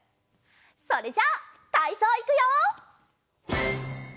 それじゃたいそういくよ。